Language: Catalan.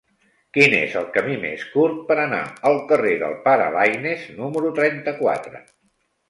Quin és el camí més curt per anar al carrer del Pare Laínez número trenta-quatre?